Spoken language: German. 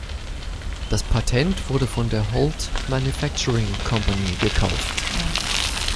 Das Patent wurde von der Holt Manufacturing Company gekauft.